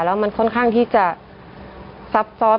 แล้วมันค่อนข้างที่จะซับซ้อน